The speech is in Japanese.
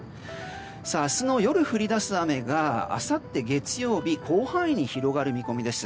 明日の夜、降り出す雨があさって月曜日、広範囲に広がる見込みです。